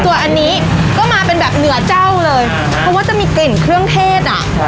ส่วนอันนี้ก็มาเป็นแบบเหนือเจ้าเลยเพราะว่าจะมีกลิ่นเครื่องเทศอ่ะ